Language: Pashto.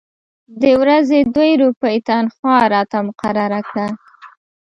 د ورځې دوې روپۍ تنخوا راته مقرره کړه.